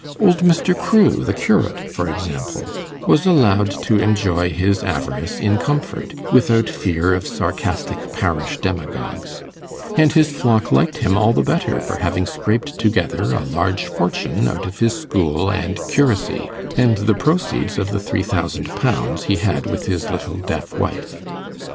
Old Mr. Crewe, the curate, for example, was allowed to enjoy his avarice in comfort, without fear of sarcastic parish demagogues; and his flock liked him all the better for having scraped together a large fortune out of his school and curacy, and the proceeds of the three thousand pounds he had with his little deaf wife.